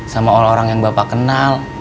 sama orang orang yang bapak kenal